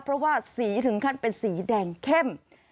เพราะว่าสีถึงขั้นเป็นสีแดงเข้ม